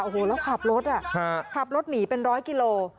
โอ้โหแล้วขับรถขับรถหนีเป็นร้อยกิโล